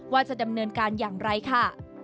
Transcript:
ว่าจะดำเนินการอย่างไรค่ะ